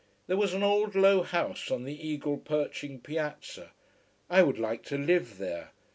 There was an old, low house on this eagle perching piazza. I would like to live there.